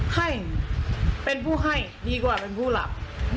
ให้เป็นผู้ให้ดีกว่าเป็นผู้หลับ